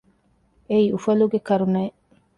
އެއީ އުފަލުގެ ކަރުނަ އެއް